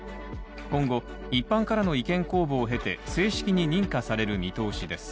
今後、一般からの意見公募を経て正式に認可される見通しです。